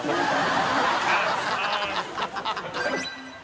ハハハ